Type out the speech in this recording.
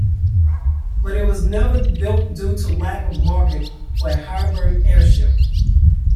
But it was never built due to lack of market for a hybrid airship.